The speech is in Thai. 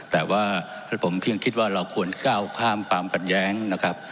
แต่ว่าผมเพียงคิดว่าเราควรก้าวข้ามความขัดแย้งนะครับ